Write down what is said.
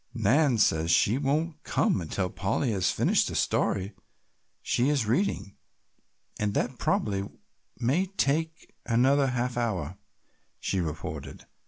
"Nan says she won't come until Polly has finished the story she is reading, and that probably may take another half hour," she reported.